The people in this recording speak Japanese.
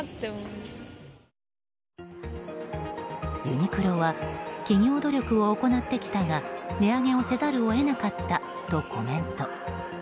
ユニクロは企業努力を行ってきたが値上げをせざるを得なかったとコメント。